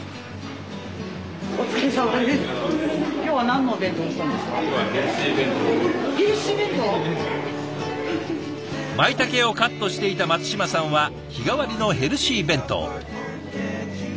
まいたけをカットしていた松島さんは日替わりのヘルシー弁当。